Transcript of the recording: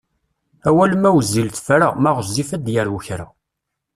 Awal ma wezzil tefra, ma ɣezzif ad d-yarew kra.